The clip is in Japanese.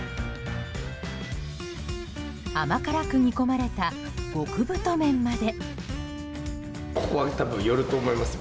甘辛く煮込まれた極太麺まで。